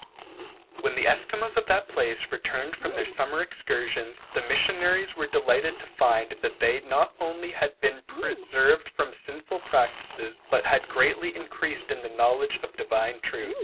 When the Esquimaux of that place returned from their summer excursions, the missionaries were delighted to find, that they not only had been preserved from sinful practices, but had greatly increased in the knowledge of divine truth.